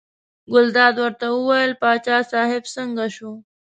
ګلداد ورته وویل باچا صاحب څنګه شو.